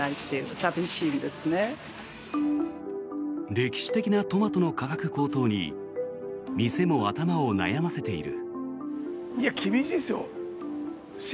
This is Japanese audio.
歴史的なトマトの価格高騰に店も頭を悩ませている。